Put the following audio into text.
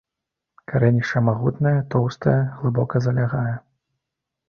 Карэнішча магутнае, тоўстае, глыбока залягае.